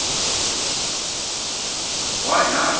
they said. "Why not?"